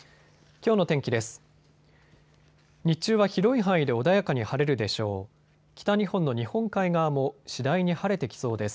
きょうの天気です。